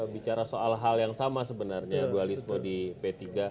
bicara soal hal yang sama sebenarnya dualisme di p tiga